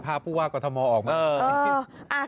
พ่านผู้ว่ากษมมติออกมา